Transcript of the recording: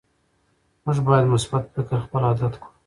موږ باید مثبت فکر خپل عادت کړو